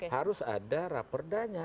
harus ada raperdanya